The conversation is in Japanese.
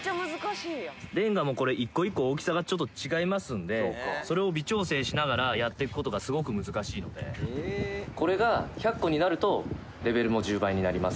レンガもこれ、一個一個大きさが違いますので、それを微調整しながらやっていくことがすごく難しいので、これが１００個になると、レベルも１０倍になります。